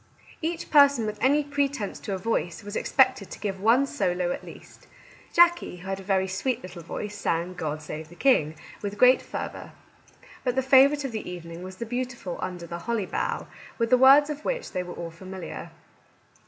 Each person with any pretence to a voice was expected to give one solo at least. Jackie, who had a very sweet little voice, sang " God Save the King," with great fervour. But the favourite of the evening was the beautiful " Under the Holly Bough," with the words of which they were all familiar.